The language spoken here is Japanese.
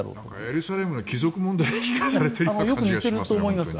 エルサレムの帰属問題を聞かされているような気がします。